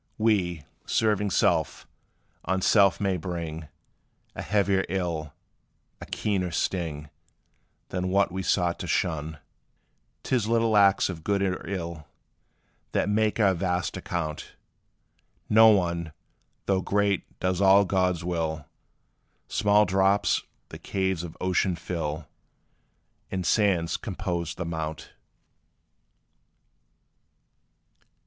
We, serving self, on self may bring A heavier ill a keener sting Than what we sought to shun. 'T is little acts of good or ill, That make our vast account. No one, though great, does all God's will Small drops the caves of ocean fill; And sands compose the mount.